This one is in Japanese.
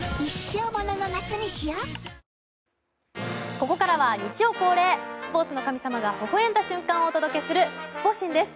ここからは日曜恒例スポーツの神様がほほ笑んだ瞬間をお届けするスポ神です。